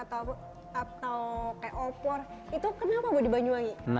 atau kayak opor itu kenapa bu dibanyuangi